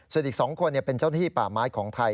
ส่วนอีก๒คนเป็นเจ้าหน้าที่ป่าไม้ของไทย